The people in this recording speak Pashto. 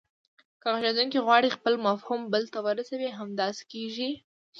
که غږیدونکی غواړي خپل مفهوم بل ته ورسوي همداسې کیږي